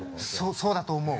そうだと思う。